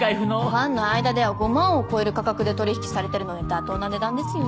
ファンの間では５万を超える価格で取引されているので妥当な値段ですよ。